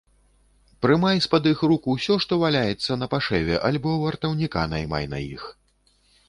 Прымай з-пад іх рук усё, што валяецца напашэве, альбо вартаўніка наймай на іх.